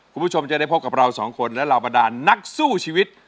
คุณผู้ชมจะได้พบกับเราสองคนและเหล่าบรรดานนักสู้ชีวิต